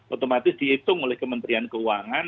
otomatis dihitung oleh kementerian keuangan